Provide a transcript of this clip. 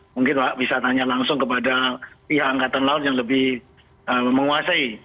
mungkin pak bisa tanya langsung kepada pihak angkatan laut yang lebih menguasai